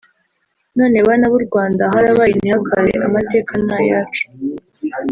none bana b'u Rwanda harabaye ntihakabe amateka ni ayacu